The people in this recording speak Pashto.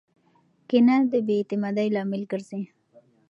کینه د بې اعتمادۍ لامل ګرځي.